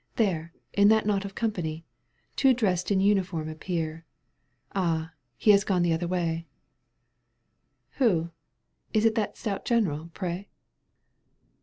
There, in that knot of company, Two dressed in uniform appear — Ah ! he has gone the other way "—" Who ? Is it that stout general, pray